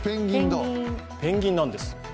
ペンギンなんです。